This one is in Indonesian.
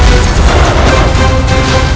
kau akan menang